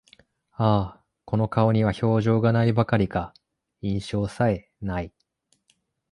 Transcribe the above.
ああ、この顔には表情が無いばかりか、印象さえ無い